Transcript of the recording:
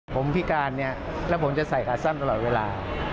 ผมพิการเนี่ยแล้วผมจะใส่ขาสั้นตลอดเวลา